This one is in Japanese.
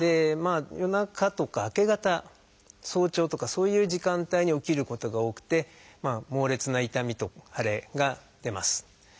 夜中とか明け方早朝とかそういう時間帯に起きることが多くて猛烈な痛みと腫れが出ます。